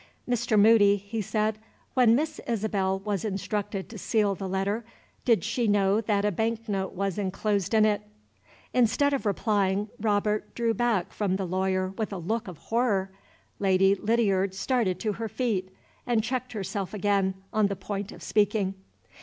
"Mr. Moody," he said, "when Miss Isabel was instructed to seal the letter, did she know that a bank note was inclosed in it?" Instead of replying, Robert drew back from the lawyer with a look of horror. Lady Lydiard started to her feet and checked herself again, on the point of speaking.